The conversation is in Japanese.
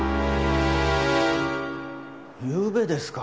ゆうべですか。